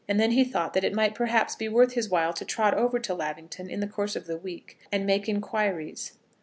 Then he thought that it might, perhaps, be worth his while to trot over to Lavington in the course of the week, and make inquiries.